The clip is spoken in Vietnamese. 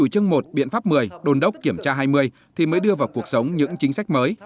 đồn đốc kiểm tra hai mươi thì mới đưa vào cuộc sống những chính sách mới